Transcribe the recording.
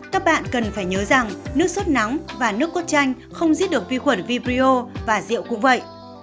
các bạn cần phải nhớ rằng nước sốt nóng và nước cốt chanh không giết được vi khuẩn vbio và rượu cũng vậy